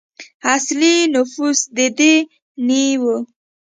اصلي نفوس د دې نیيي وو.